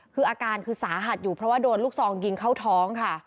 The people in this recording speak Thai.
คืออาการคือสาหัสอยู่เพราะว่าโดนลูกซองยิงเข้าท้องค่ะ